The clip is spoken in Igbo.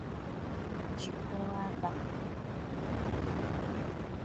jikọọ aka